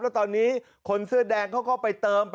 แล้วตอนนี้คนเสื้อแดงเขาก็ไปเติม